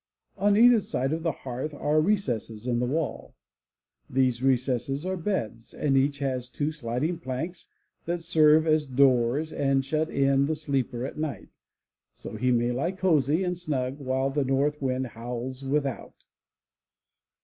On either side of the hearth are recesses in the wall. These recesses are beds, and each has two sliding planks that serve as doors and shut in the sleeper at night, so he may lie cozy and snug while the North wind howls without.